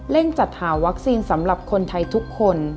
จัดหาวัคซีนสำหรับคนไทยทุกคน